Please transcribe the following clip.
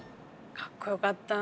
かっこよかった。